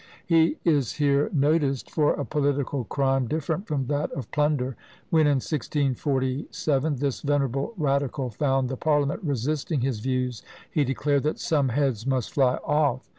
He is here noticed for a political crime different from that of plunder. When, in 1647, this venerable radical found the parliament resisting his views, he declared that "Some heads must fly off!"